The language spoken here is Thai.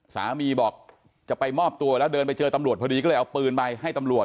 สามีบอกจะไปมอบตัวแล้วเดินไปเจอตำรวจพอดีก็เลยเอาปืนไปให้ตำรวจ